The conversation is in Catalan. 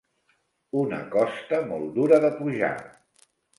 Una costa molt dura de pujar.